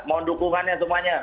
mohon dukungannya semuanya